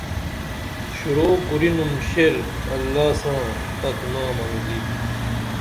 شروع کُرینُم شعر اللہ ساں پک نامہ مِلی